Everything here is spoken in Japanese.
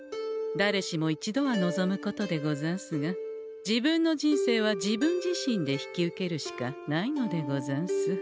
だれしも一度は望むことでござんすが自分の人生は自分自身で引き受けるしかないのでござんす。